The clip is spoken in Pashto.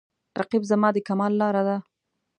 رقیب زما د کمال لاره ده